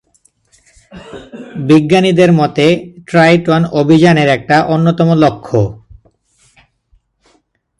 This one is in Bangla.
বিজ্ঞানীদের মতে ট্রাইটন অভিযানের একটা অন্যতম লক্ষ্য।